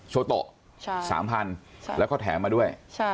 โชโตะ๓พันธุ์แล้วก็แถมมาด้วย